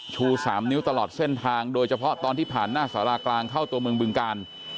ชู๓นิ้วตลอดเส้นทางโดยเฉพาะตอนที่ผ่านหน้าสารากลางเข้าตัวเมืองบึงกาล